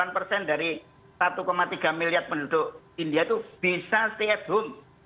delapan persen dari satu tiga miliar penduduk india itu bisa stay at home